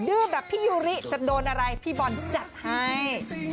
ื้อแบบพี่ยูริจะโดนอะไรพี่บอลจัดให้